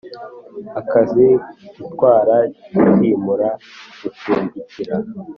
Akazi gutwara kwimura gucumbikira